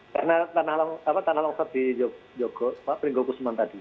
karena tanah longsot di yogo pak peringgau kusuman tadi